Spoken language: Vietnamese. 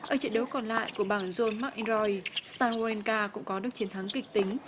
ở trận đấu còn lại của bảng john mcenroy stan werenka cũng có được chiến thắng kịch tính